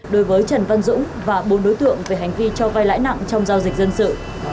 đối với trần văn dũng và bốn đối tượng về hành vi cho vai lãi nặng trong giao dịch dân sự